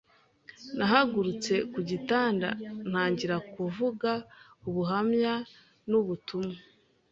nahagurutse ku gitanda ntangira kuvuga ubuhamya n’ubutumwa